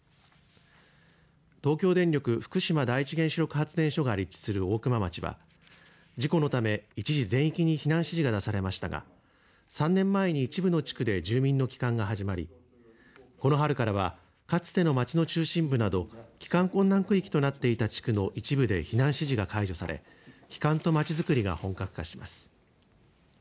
東京電力福島第一原子力発電所が立地する大熊町は事故のため一時全域に避難指示が出されましたが３年前に一部の地区で住民の帰還が始まりこの春からはかつての町の中心部など帰還困難区域となっていた地区の一部で避難指示が解除され帰還とまちづくりが本格化します。